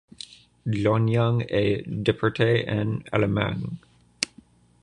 John Young est déporté en Allemagne.